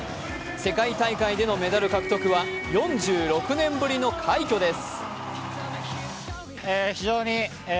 世界大会でのメダル獲得は４６年ぶりの快挙です。